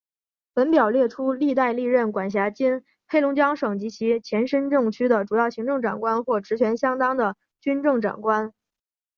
本表列出历代历任管辖今黑龙江省及其前身政区的主要行政长官或职权相当的军政长官。